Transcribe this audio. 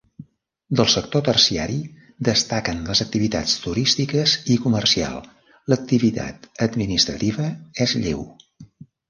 Del sector terciari destaquen les activitats turístiques i comercial, l'activitat administrativa és lleu.